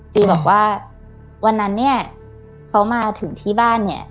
บอกว่าวันนั้นเนี่ยเขามาถึงที่บ้านเนี่ย